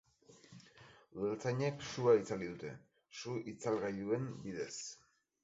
Udaltzainek sua itzali dute, su-itzalgailuen bidez.